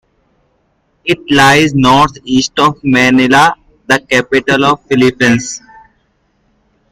It lies north-east of Manila, the capital of the Philippines.